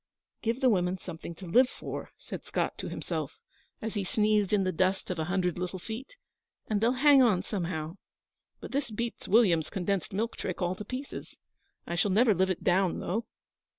'Give the women something to live for,' said Scott to himself, as he sneezed in the dust of a hundred little feet, 'and they'll hang on somehow. But this beats William's condensed milk trick all to pieces. I shall never live it down, though.'